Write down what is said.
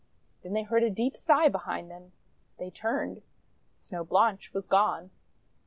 Then they heard a deep sigh behind them. They turned. Snow Blanche was gone!